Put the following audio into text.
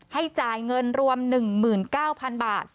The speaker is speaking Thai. ให้จ่ายเงินรวม๑๙๐๐๐บาท